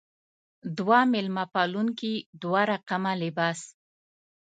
دوه میلمه پالونکې دوه رقم لباس.